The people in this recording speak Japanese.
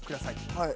はい。